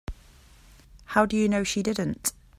How do you know she didn't?